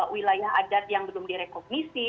wilayah adat yang belum direkognisi